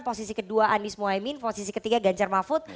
posisi kedua anies mohaimin posisi ketiga ganjar mahfud